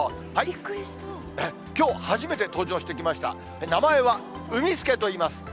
きょう初めて登場してきました、名前は、うみスケといいます。